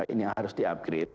ini harus di upgrade